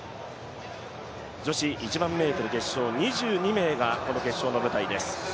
女子１００００ｍ決勝、２２名がこの決勝の舞台です。